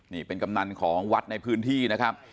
นี่เป็นกำนันของวัดในพื้นที่นะครับ